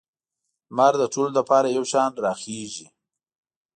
لمر د ټولو لپاره یو شان راخیږي.